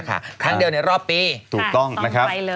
ครั้งเดียวในรอบปีต้องไปเลย